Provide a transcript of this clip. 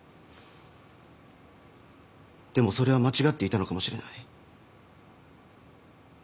でもそれは間違っていたのかもしれない。